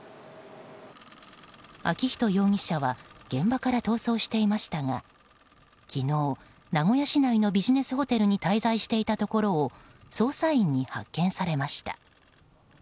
昭仁容疑者は現場から逃走していましたが昨日、名古屋市内のビジネスホテルに滞在していたところを捜査員に発見されました。